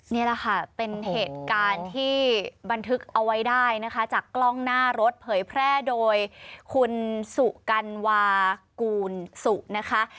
นี่แหละค่ะเป็นเหตุการณ์ที่บันทึกเอาไว้ได้นะคะจากกล้องหน้ารถเผยแพร่โดยคุณสุกัณวากูลสุนะคะ